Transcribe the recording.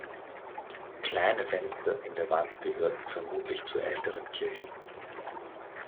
Kleine Fenster in der Wand gehörten vermutlich zur älteren Kirche.